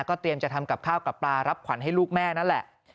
เตรียมจะทำกับข้าวกับปลารับขวัญให้ลูกแม่นั่นแหละ